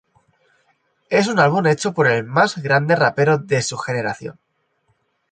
Es un álbum hecho por el más grande rapero de su generación.